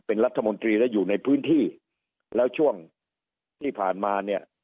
เป็นรัฐมนตรีและอยู่ในพื้นที่แล้วช่วงที่ผ่านมาเนี่ย